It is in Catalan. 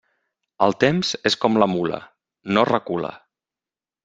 El temps és com la mula: no recula!